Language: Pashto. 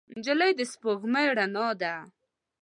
نجلۍ د سپوږمۍ رڼا ده.